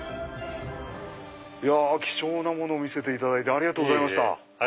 貴重なものを見せていただいてありがとうございました。